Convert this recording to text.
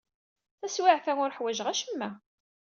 Taswiɛt-a, ur ḥwajeɣ acemma.